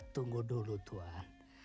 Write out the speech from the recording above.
tunggu dulu tuan